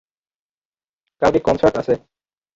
কালকে কনসার্ট আছে।